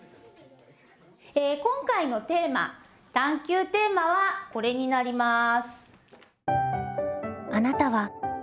今回のテーマ探究テーマはこれになります。